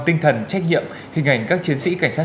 đồng hành cùng nhân dân